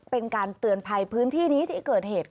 เป็นการเตือนภัยพื้นที่นี้ที่เกิดเหตุ